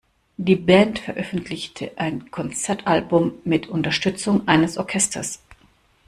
Die Band veröffentlichte ein Konzeptalbum mit Unterstützung eines Orchesters.